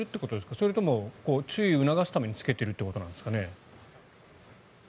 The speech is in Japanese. それとも注意を促すためにつけてるということですかね？